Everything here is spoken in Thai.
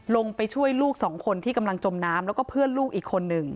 ลงไปช่วยลูกสองคนที่กำลังจมน้ำแล้วก็เพื่อนลูกอีกคนนึง